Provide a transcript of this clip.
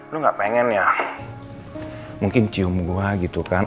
lu gak pengen ya mungkin cium gue gitu kan